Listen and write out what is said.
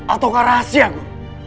atau sebuah rahasia guru